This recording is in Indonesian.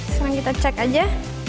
sekarang kita cek aja